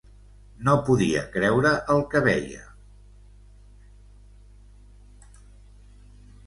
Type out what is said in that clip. No podia creure el que veia.